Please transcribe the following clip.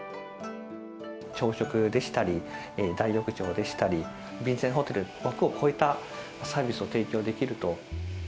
朝食でしたり、大浴場でしたり、ビジネスホテルという枠を超えたサービスを提供できると。